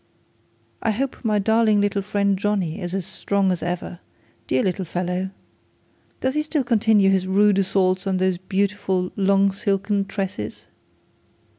'I hope my darling little friend Johnny is as strong as ever, dear little fellow. Does he still continue his rude assaults on those beautiful long silken tresses?